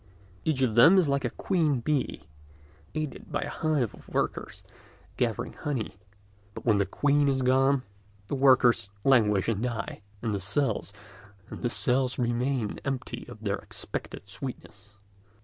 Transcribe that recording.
Each of them is like a queen bee, aided by a hive of workers gathering honey; but when the queen is gone the workers languish and die, and the cells remain empty of their expected sweetness.